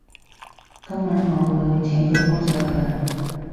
今晚我會去請佢幫手㗎喇